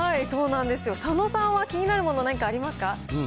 佐野さんは気になるもの、何かありますか。